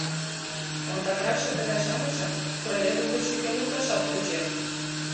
Ондакракше тыгай-шамычым троллейбус гыч шӱкен лукташат тӧчен.